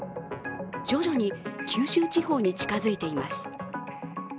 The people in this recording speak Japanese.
徐々に九州地方に近づいています。